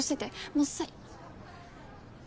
もうさい。